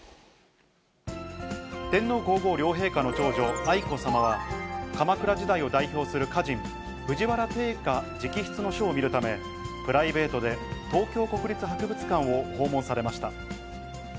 天皇皇后両陛下の長女、愛子さまは、鎌倉時代を代表する歌人、藤原定家直筆の書を見るため、プライベートで東京国立博物館を訪問されました。